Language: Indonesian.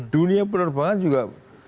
dunia penerbangan juga